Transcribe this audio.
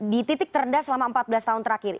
di titik terendah selama empat belas tahun terakhir